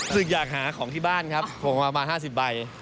อยากหาของที่บ้านครับผมเอามา๕๐ใบ